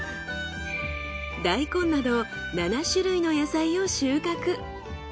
大根など７種類の野菜を収穫。